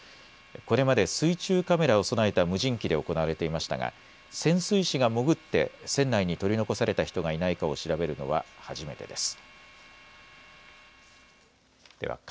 これまで水中カメラを備えた無人機で行われていましたが潜水士が潜って船内に取り残された人がいないかを調べるのは初めてです。